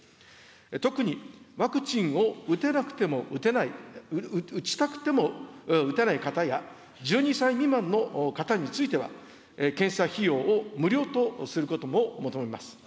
特にワクチンを打てなくても打てない、打ちたくても打てない方や、１２歳未満の方については、検査費用を無料とすることも求めます。